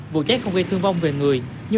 vụ cháy không gây thương vong về người